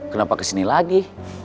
kenapa ke sini lagi